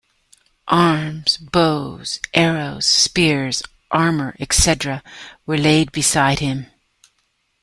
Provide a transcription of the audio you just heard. Arms - bows, arrows, spears, armour, etc - were laid beside him.